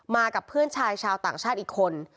กับเพื่อนชายชาวต่างชาติอีกคน